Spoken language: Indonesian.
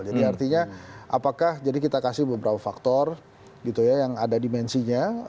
jadi artinya apakah jadi kita kasih beberapa faktor gitu ya yang ada dimensinya